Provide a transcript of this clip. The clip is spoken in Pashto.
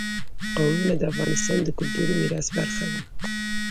قومونه د افغانستان د کلتوري میراث برخه ده.